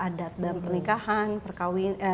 adat dalam pernikahan